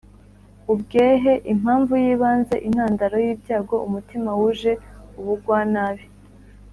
ubwehe: impamvu y’ibanze, intandaro y’ibyago; umutima wuje ubugwanabi;